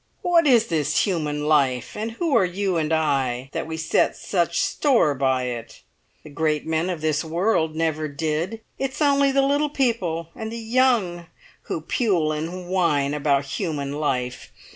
"What is this human life, and who are you and I, that we set such store by it? The great men of this world never did; it's only the little people and the young who pule and whine about human life.